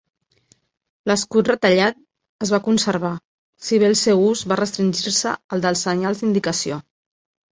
L'escut retallat es va conservar, si bé el seu ús va restringir-se al dels senyals d'indicació.